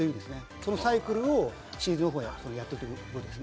そのサイクルをシーズンオフにやっておく。